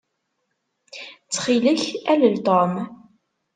Ttxil-k, alel Tom.